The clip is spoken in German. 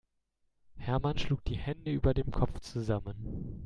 Hermann schlug die Hände über dem Kopf zusammen.